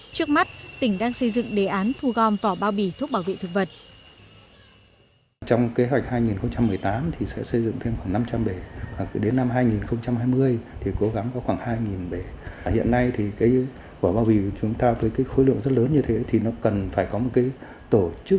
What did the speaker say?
trước mắt tỉnh đang xây dựng đề án thu gom vỏ bao bì thuốc bảo vệ thực vật